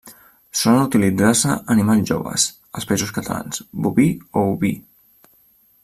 Solen utilitzar-se animals joves, als Països Catalans, boví o oví.